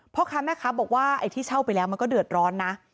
พ่อค้าแม่ค้าบอกว่าไอ้ที่เช่าไปแล้วมันก็เดือดร้อนนะ